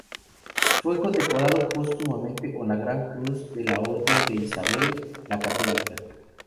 Fue condecorado póstumamente con la Gran Cruz de la Orden de Isabel la Católica.